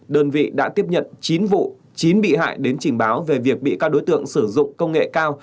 đơn vị đã tiếp nhận chín vụ chín bị hại đến trình báo về việc bị các đối tượng sử dụng công nghệ cao